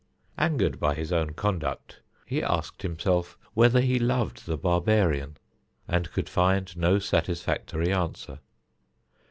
Angered by his own conduct, he asked himself whether he loved the barbarian, and could find no satisfactory answer.